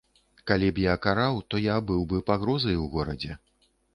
Калі б я караў, то я быў бы пагрозай у горадзе.